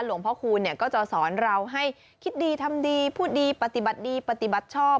หลวงพ่อคูณก็จะสอนเราให้คิดดีทำดีพูดดีปฏิบัติดีปฏิบัติชอบ